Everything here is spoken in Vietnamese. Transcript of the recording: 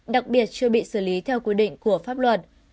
đặc biệt chưa bị xử lý theo quy định của pháp luật